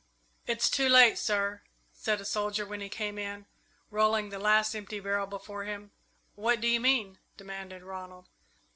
"It's too late, sir," said a soldier, when he came in, rolling the last empty barrel before him. "What do you mean?" demanded Ronald.